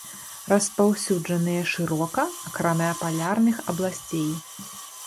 Распаўсюджаныя шырока, акрамя палярных абласцей.